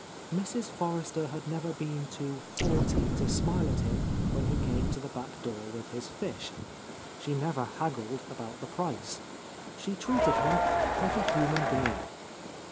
Mrs. Forrester had never been too haughty to smile at him when he came to the back door with his fish. She never haggled about the price. She treated him like a human being.